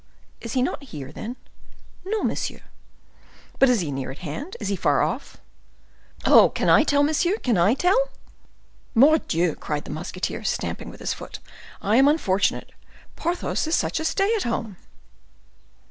"Is he not here, then?" "No, monsieur." "But is he near at hand?—is he far off?" "Oh, can I tell, monsieur, can I tell?" "Mordioux!" cried the musketeer, stamping with his foot, "I am unfortunate. Porthos is such a stay at home!"